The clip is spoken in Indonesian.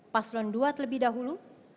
paslon dua terlebih dahulu